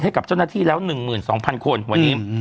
ให้กับเจ้าหน้าที่แล้ว๑๒๐๐คนวันนี้